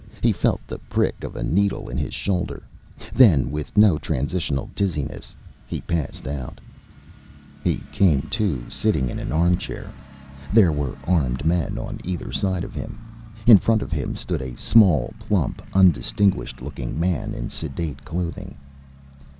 He felt the prick of a needle in his shoulder. Then, with no transitional dizziness, he passed out. He came to sitting in an armchair. There were armed men on either side of him. In front of him stood a small, plump, undistinguished looking man in sedate clothing.